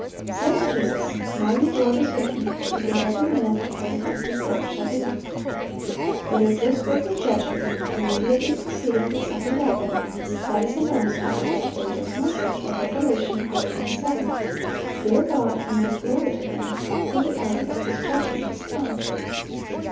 Says Jesus, "My reward is with Me, to give every man according as his work shall be."(589) It is this work of judgment, immediately preceding the second advent, that is announced in the first angel's message of Rev. 14:7, "Fear God, and give glory to Him; for the hour of His judgment is come."